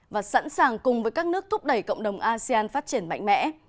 và sẵn sàng cùng với các nước thúc đẩy cộng đồng asean phát triển mạnh mẽ